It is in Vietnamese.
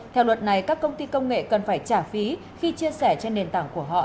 theo luật này các công ty công nghệ cần phải trả phí khi chia sẻ trên nền tảng của họ